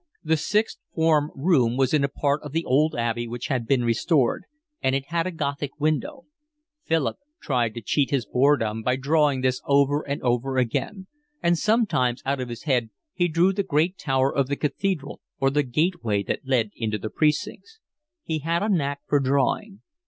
The Sixth Form room was in a part of the old abbey which had been restored, and it had a gothic window: Philip tried to cheat his boredom by drawing this over and over again; and sometimes out of his head he drew the great tower of the Cathedral or the gateway that led into the precincts. He had a knack for drawing.